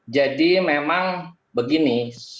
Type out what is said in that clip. jadi memang begini